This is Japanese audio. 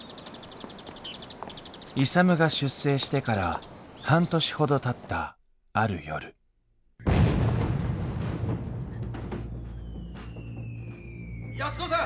勇が出征してから半年ほどたったある夜・・・安子さん！